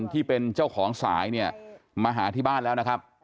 ที่เป็นเจ้าของสายเนี่ยมาหาที่บ้านแล้วนะครับ